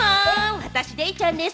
私、デイちゃんです。